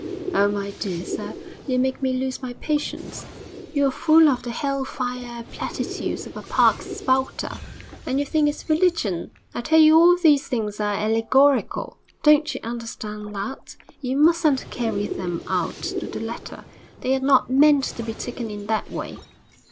'Oh, my dear sir, you make me lose my patience. You're full of the hell fire platitudes of a park spouter, and you think it's religion.... I tell you all these things are allegorical. Don't you understand that? You mustn't carry them out to the letter. They are not meant to be taken in that way.'